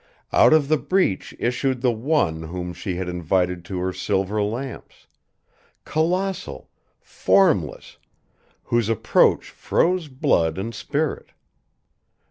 Out of the breach issued the One whom she had invited to her silver lamps; colossal, formless, whose approach froze blood and spirit.